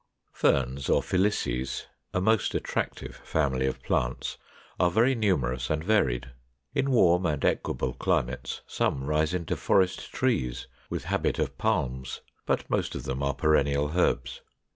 ] 486. =Ferns, or Filices=, a most attractive family of plants, are very numerous and varied. In warm and equable climates some rise into forest trees, with habit of Palms; but most of them are perennial herbs.